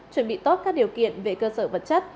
chuẩn bị tốt các điều kiện về cơ sở vật chất